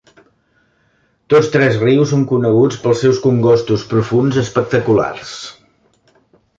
Tots tres rius són coneguts pels seus congostos profunds espectaculars.